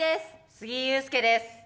杉井勇介です。